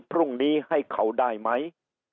พรุ่งนี้ให้เขาได้ไหม